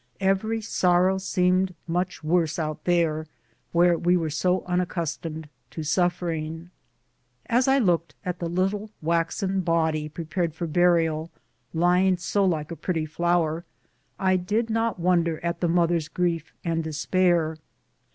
Every sorrow seemed much worse out there, where we were so unaccustomed to suffering. As I looked at the little waxen body prepared for burial, lying so like a pretty flower, I did not wonder at the mother's grief and despair.